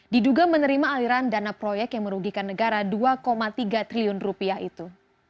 diduga menerima aliran dana proyek yang merugikan negara dua tiga triliun rupiah itu